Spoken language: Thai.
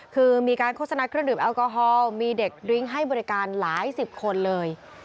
คือมีการโฆษณาเครื่องดื่มแอลกอฮอล์มีเด็กดริ้งให้บริการหลายสิบคนเลย